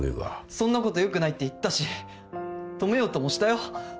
そんなことよくないって言ったし止めようともしたよ。